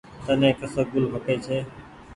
تني ڪسو گل کپي ڇي۔